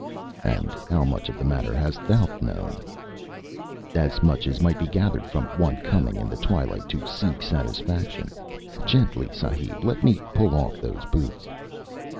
"And how much of the matter hast thou known?" "As much as might be gathered from one coming in the twilight to seek satisfaction. Gently, sahib. Let me pull off those boots."